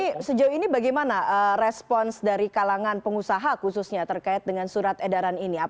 tapi sejauh ini bagaimana respons dari kalangan pengusaha khususnya terkait dengan surat edaran ini